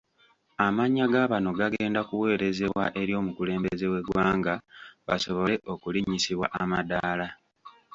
Amannya ga bano gagenda kuweerezebwa eri omukulembeze w'eggwanga basobole okulinnyisibwa amadaala.